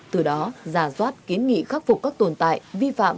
từ đó giả soát kiến nghị khắc phục các tồn tại vi phạm